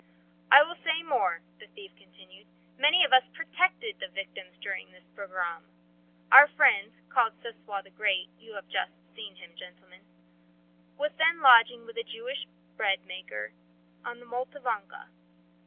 "I will say more," the thief continued. "Many of us protected the victims during this pogrom. Our friend, called Sesoi the Great you have just seen him, gentlemen was then lodging with a Jewish braid maker on the Moldavanka.